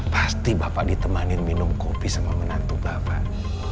pasti bapak ditemanin minum kopi sama menantu bapak